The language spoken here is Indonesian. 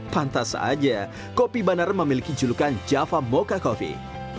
pantas saja kopi banar memiliki julukan java mocha coffee